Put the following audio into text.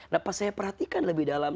nah pas saya perhatikan lebih dalam